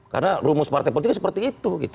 karena rumus partai politiknya seperti itu